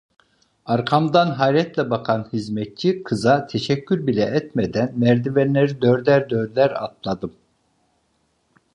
Arkamdan hayretle bakan hizmetçi kıza teşekkür bile etmeden merdivenleri dörder dörder atladım.